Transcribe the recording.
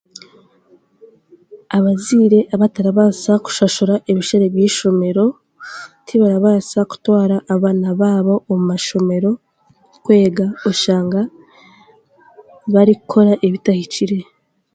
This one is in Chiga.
Abazaire abatarabaasa kushashura ebishare by'eishomero tibarabaasa kutwara abaana baabo omu mashomero kwega oshanga barikukora ebitahikire